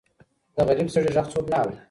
د غریب سړي ږغ څوک نه اوري.